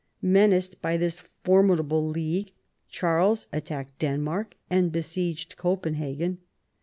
Menaced by this formidable league, Charles attacked Denmark and besieged Copenhagen.